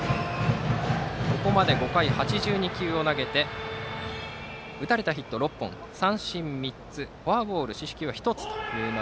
ここまで５回８２球を投げて打たれたヒットは６本三振３つフォアボール四死球は１つ。